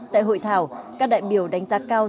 tại hội thảo các đại biểu đánh giá cao